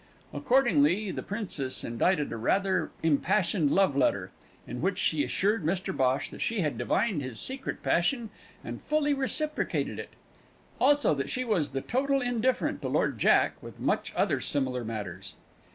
Accordingly the Princess indicted a rather impassioned love letter, in which she assured Mr Bhosh that she had divined his secret passion and fully reciprocated it, also that she was the total indifferent to Lord Jack, with much other similar matters.